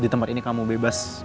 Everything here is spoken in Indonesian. di tempat ini kamu bebas